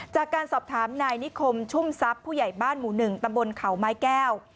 จากการสอบถามนายนิคมชุ่มทรัพย์ผู้ใหญ่บ้านหมู่๑ตำบลเขาไม้แก้ว